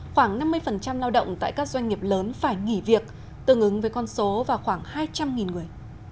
khoảng năm mươi lao động tại các doanh nghiệp lớn phải nghỉ việc tương ứng với con số và khoảng hai trăm linh người